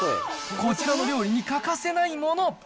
こちらの料理に欠かせないもの。